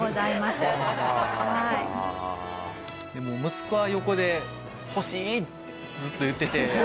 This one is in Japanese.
息子は横で「欲しい！」ってずっと言ってて。